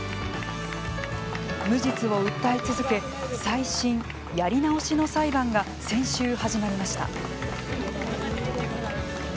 無実を訴え続け再審＝やり直しの裁判が先週、始まりました。